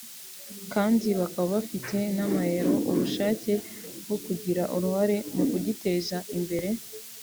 kandi bakaba bafite n’ubushake bwo kugira uruhare mu kugiteza imbere